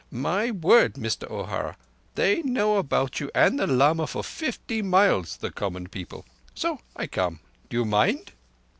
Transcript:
My word, Mister O'Hara, they know about you and the lama for fifty miles—the common people. So I come. Do you mind?"